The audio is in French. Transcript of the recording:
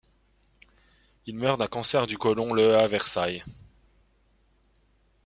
Il meurt d'un cancer du colon le à Versailles.